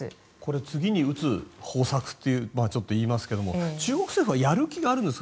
次に打つ方策といいますか中国政府はやる気があるんですか？